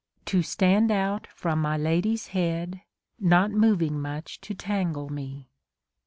To stand out from my lady's head, Not moving much to tangle me.